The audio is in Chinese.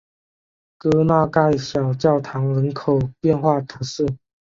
戈纳盖小教堂人口变化图示